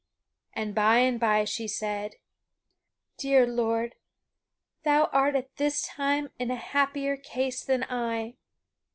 And by and by she said: "Dear Lord, thou art at this time in a happier case than I."